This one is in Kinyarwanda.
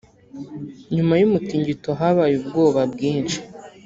nyuma y’umutingito habaye ubwoba bwinshi